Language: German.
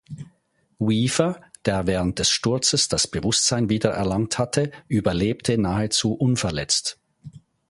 Weaver, der während des Sturzes das Bewusstsein wiedererlangt hatte, überlebte nahezu unverletzt.